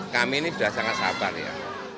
kami ini sudah sangat sabar ya